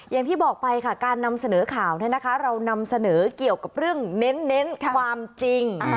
อย่างที่บอกไปค่ะการนำเสนอข่าวเรานำเสนอเกี่ยวกับเรื่องเน้นความจริง